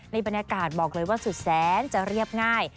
บรรยากาศบอกเลยว่าสุดแสนจะเรียบง่าย